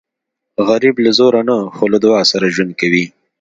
غریب له زوره نه خو له دعا سره ژوند کوي